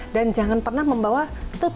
dan jangan pernah membawa toot bag